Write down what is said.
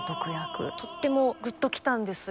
とってもグッときたんですが。